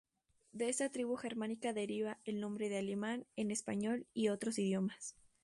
De esta tribu germánica deriva el nombre de "alemán" en español y otros idiomas.